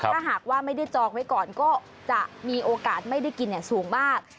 ถ้าหากว่าไม่ได้จองไว้ก่อนก็จะมีโอกาสไม่ได้กินสูงมาก